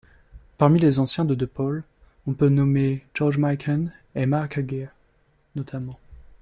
Parmi les anciens de DePaul, on peut nommer George Mikan et Mark Aguirre, notamment.